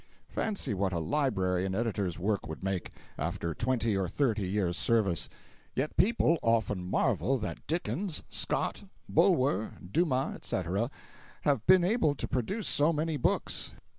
Fancy what a library an editor's work would make, after twenty or thirty years' service. Yet people often marvel that Dickens, Scott, Bulwer, Dumas, etc., have been able to produce so many books.